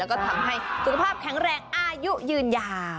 แล้วก็ทำให้สุขภาพแข็งแรงอายุยืนยาว